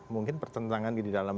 mungkin pertentangan di didalam